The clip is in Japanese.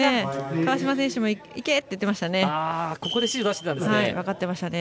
川嶋選手もいけって言ってましたね。